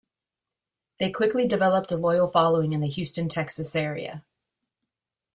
They quickly developed a loyal following in the Houston, Texas area.